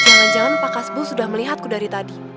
jangan jangan pak kasbu sudah melihatku dari tadi